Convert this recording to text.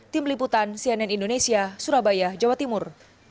tim liputan cnn indonesia surabaya jawa timur